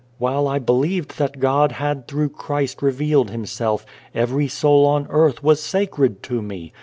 While I believed that God had through Christ revealed Himself, every soul on earth was sacred to me.